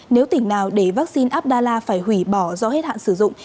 nếu tỉnh nào để vaccine abdalla phải hủy bỏ do hết hạn sử dụng